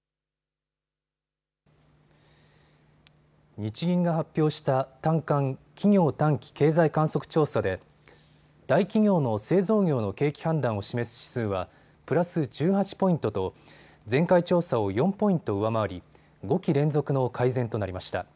日銀が発表した短観・企業短期経済観測調査で大企業の製造業の景気判断を示す指数はプラス１８ポイントと前回調査を４ポイント上回り５期連続の改善となりました。